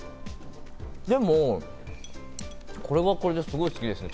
でも、これはこれですごく好きですね。